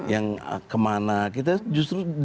yang kemana kita justru